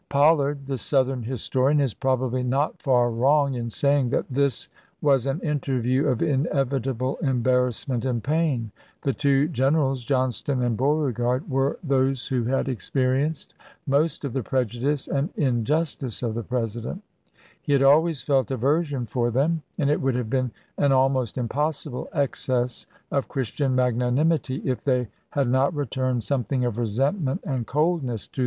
Pollard, the Southern historian, is probably not far wrong in saying that this " was an interview of inevitable embarrassment and pain. The two gen erals [Johnston and Beauregard] were those who had experienced most of the prejudice and injustice of the President; he had always felt aversion for them, and it would have been an almost impossible excess of Christian magnanimity if they had not ^Kf' returned something of resentment and coldness to Ji?